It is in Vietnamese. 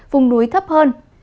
vùng núi thấp hơn